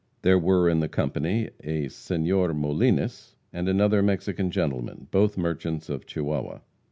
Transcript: There were in the company a Senor Molines, and another Mexican gentleman, both merchants of Chihuahua.